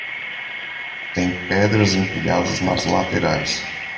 Tem pedras empilhadas nas laterais.